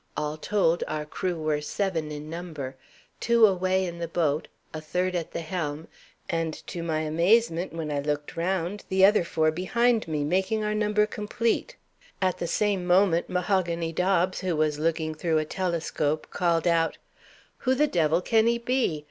All told, our crew were seven in number. Two away in the boat, a third at the helm, and, to my amazement, when I looked round, the other four behind me making our number complete. At the same moment Mahogany Dobbs, who was looking through a telescope, called out, 'Who the devil can he be?